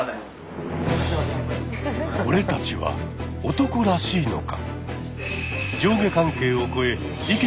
俺たちは男らしいのか？